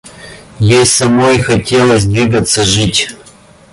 Ей самой хотелось двигаться, жить.